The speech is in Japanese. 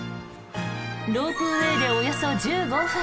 ロープウェーでおよそ１５分。